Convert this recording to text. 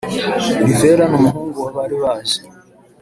Rivera n’umuhungu we bari baje